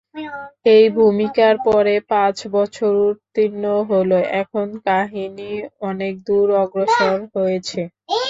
এই ভূমিকার পরে পাঁচ বছর উত্তীর্ণ হল, এখন কাহিনী অনেক দূর অগ্রসর হয়েছে।